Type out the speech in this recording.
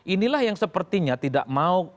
inilah yang sepertinya tidak mau